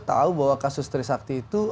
tahu bahwa kasus trisakti itu